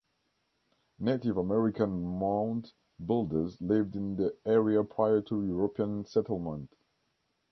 Native American mound builders lived in the area prior to European settlement.